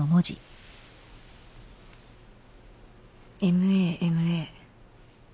ＭＡＭＡ。